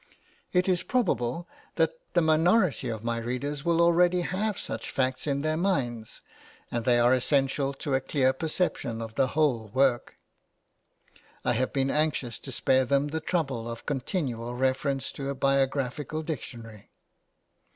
It is probable that the minority of my readers will already have such facts in their minds, and they are essential to a clear perception of the whole work: I have been anxious to spare them the trouble of continual reference to a biographical dictionary.